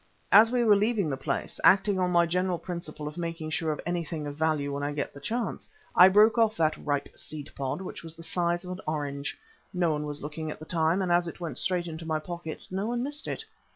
As we were leaving the place, acting on my general principle of making sure of anything of value when I get the chance, I broke off that ripe seed pod, which was of the size of an orange. No one was looking at the time, and as it went straight into my pocket, no one missed it.